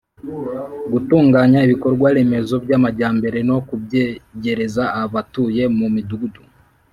gutunganya ibikorwa remezo by'amajyambere no kubyegereza abatuye mu midugudu.